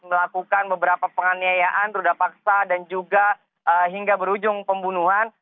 melakukan beberapa penganiayaan ruda paksa dan juga hingga berujung pembunuhan